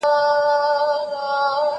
زه اوږده وخت کالي وچوم وم!.